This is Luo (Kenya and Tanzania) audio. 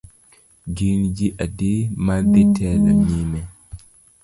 Gin ji adi madhi telo nyime?